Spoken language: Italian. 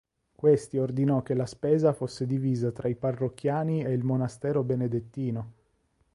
Questi ordinò che la spesa fosse divisa tra i parrocchiani e il monastero benedettino.